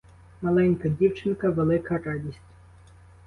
Маленька дівчинка — велика радість.